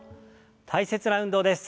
大切な運動です。